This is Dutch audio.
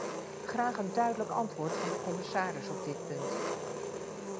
Graag een duidelijk antwoord van de commissaris op dit punt.